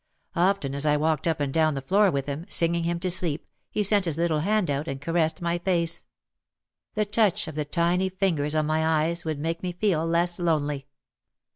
Often as I walked up and down the floor with him, singing him to sleep, he sent his little hand out, and caressed my face. The touch of the tiny fingers on my eyes would make me feel less lonely.